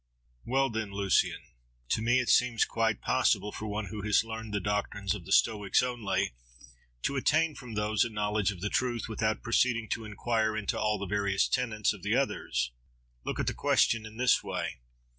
—Well then, Lucian! to me it seems quite possible for one who has learned the doctrines of the Stoics only, to attain from those a knowledge of the truth, without proceeding to inquire into all the various tenets of the others. Look at the question in this way.